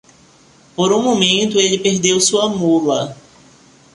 Por um momento ele perdeu sua mula.